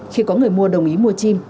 khi có người mua đồng ý mua chim